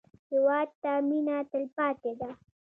هېواد ته مېنه تلپاتې ده